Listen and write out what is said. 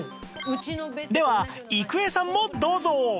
では郁恵さんもどうぞ